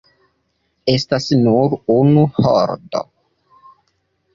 Estas nur unu holdo.